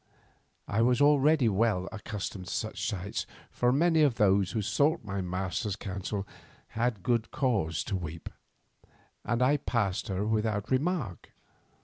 I was already well accustomed to such sights, for many of those who sought my master's counsel had good cause to weep, and I passed her without remark.